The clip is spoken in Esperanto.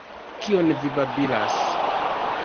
Kion vi babilas!